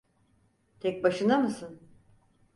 Tek başına mısın?